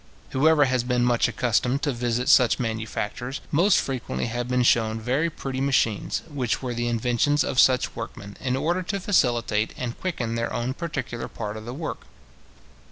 Whoever has been much accustomed to visit such manufactures, must frequently have been shewn very pretty machines, which were the inventions of such workmen, in order to facilitate and quicken their own particular part of the work.